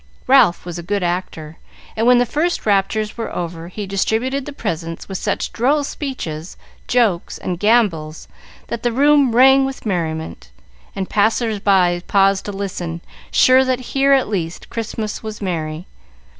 Ralph was a good actor, and, when the first raptures were over he distributed the presents with such droll speeches, jokes, and gambols, that the room rang with merriment, and passers by paused to listen, sure that here, at least, Christmas was merry.